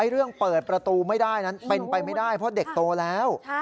เรื่องเปิดประตูไม่ได้นั้นเป็นไปไม่ได้เพราะเด็กโตแล้ว